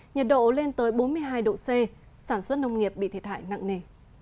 nhiệt độ lên tới bốn mươi hai độ c sản xuất nông nghiệp bị thiệt hại nặng nề